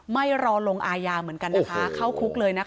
ไม่รอลงอายาเหมือนกันนะคะเข้าคุกเลยนะคะ